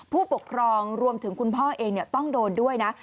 ผู้ปกครองรวมถึงคุณพ่อเองต้องโดนด้วยนะ